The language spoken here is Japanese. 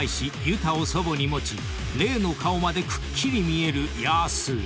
ユタを祖母に持ち霊の顔までくっきり視えるヤースー］